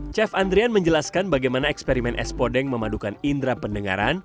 chef andrian menjelaskan bagaimana eksperimen es podeng memadukan indera pendengaran